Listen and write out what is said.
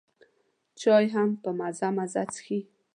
چای هم په مزه مزه څښي.